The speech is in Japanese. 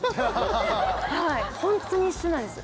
ホントに一瞬なんです。